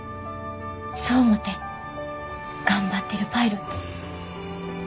そう思って頑張ってるパイロット。